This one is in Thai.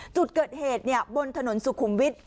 จุดเกิดเหตุเนี่ยบนถนนสุขุมวิท